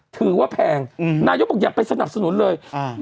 ถือว่าแพงนายก็บอกอยากไปสนับสนุนเลย